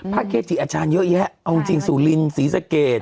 พระเกษตรีอาจารย์เยอะแยะเอาจริงสุรินทร์ศรีสะเกต